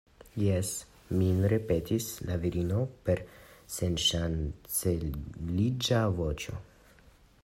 Jes, min, ripetis la virino per senŝanceliĝa voĉo.